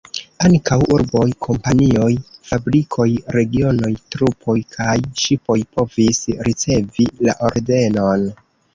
Ankaŭ urboj, kompanioj, fabrikoj, regionoj, trupoj kaj ŝipoj povis ricevi la ordenon.